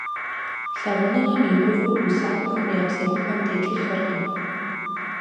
Лъагъуныгъэм и гугъур усакӀуэхэм я бзэгупэм текӀыххэркъым.